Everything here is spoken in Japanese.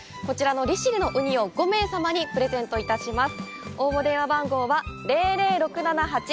利尻のウニを５名様にプレゼントいたします。